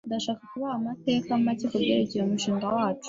Ndashaka kubaha amateka make kubyerekeye umushinga wacu.